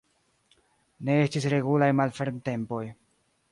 Ne estis regulaj malfermtempoj.